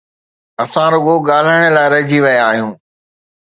اسان رڳو ڳالهائڻ لاءِ رهجي ويا آهيون.